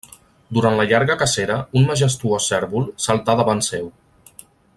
Durant la llarga cacera, un majestuós cérvol saltà davant seu.